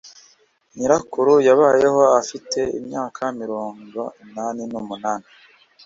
Nyirakuru yabayeho afite imyaka mirongo inani n'umunani.